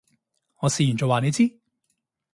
我試完再話你知